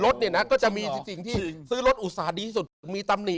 รถเนี่ยนะก็จะมีสิ่งที่ซื้อรถอุสาดีที่สุด